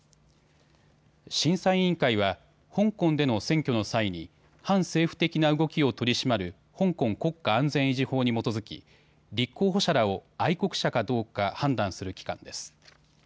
審査委員会は香港での選挙の際に反政府的な動きを取り締まる香港国家安全維持法に基づき立候補者らを、愛国者かどうか判断する機関です。